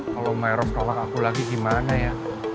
kalau myros nolak aku lagi gimana ya